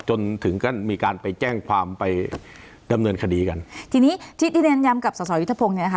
จนถึงก็มีการไปแจ้งความไปดำเนินคดีกันทีนี้ที่ที่เรียนย้ำกับสอสอยุทธพงศ์เนี่ยนะคะ